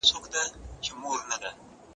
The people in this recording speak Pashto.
که ماشوم ته مینه ورکړو، نو بلاخره خوشحالوي.